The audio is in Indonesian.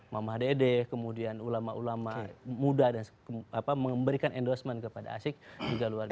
mama dede kemudian ulama ulama muda dan memberikan endorsement kepada asyik juga luar biasa